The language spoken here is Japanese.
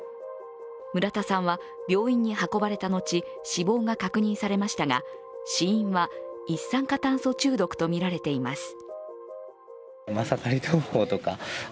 村田さんは、病院に運ばれたのち死亡が確認されましたが、死因は一酸化炭素中毒とみられています。